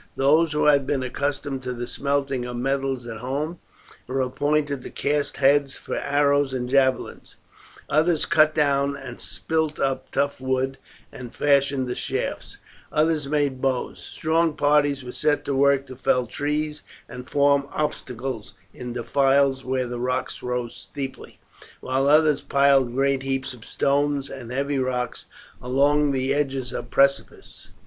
Those who had been accustomed to the smelting of metals at home were appointed to cast heads for arrows and javelins, others cut down and split up tough wood and fashioned the shafts, others made bows; strong parties were set to work to fell trees and form obstacles in defiles where the rocks rose steeply, while others piled great heaps of stones and heavy rocks along the edges of the precipices.